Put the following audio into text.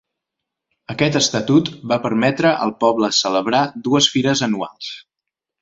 Aquest estatut va permetre al poble celebrar dues fires anuals.